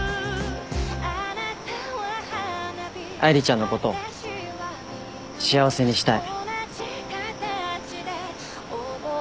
愛梨ちゃんのこと幸せにしたい。